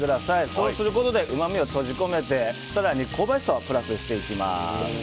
そうすることでうまみを閉じ込めて更に香ばしさをプラスしていきます。